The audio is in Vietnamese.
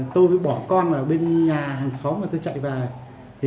tôi bỏ con ở bên nhà hàng xóm và tôi chạy về